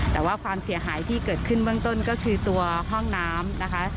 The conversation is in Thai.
แต่ว่าความเสียหายที่เกิดขึ้นเบื้องต้นก็คือตัวห้องน้ำนะคะ